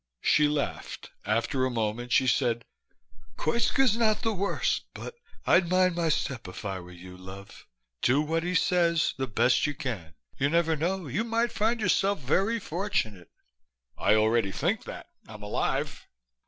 She laughed. After a moment she said, "Koitska's not the worst. But I'd mind my step if I were you, love. Do what he says, the best you can. You never know. You might find yourself very fortunate...." "I already think that. I'm alive."